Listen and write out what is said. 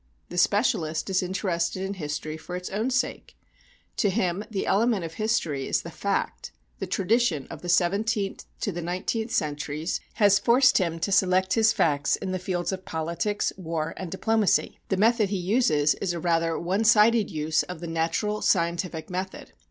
The specialist is interested in history for its own sake; to him the element of history is the fact; the tradition of the seventeenth to the nineteenth centuries has forced him to select his facts in the fields of politics, war and diplomacy; the method he uses is rather a one sided use of the natural scientific method.